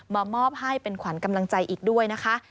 มอบให้เป็นขวัญกำลังใจอีกด้วยนะคะ